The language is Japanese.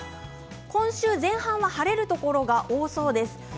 今週前半は晴れるところが多くなりそうです。